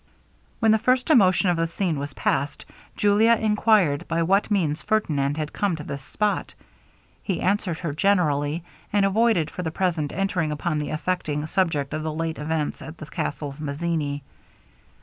When the first emotion of the scene was passed, Julia enquired by what means Ferdinand had come to this spot. He answered her generally, and avoided for the present entering upon the affecting subject of the late events at the castle of Mazzini.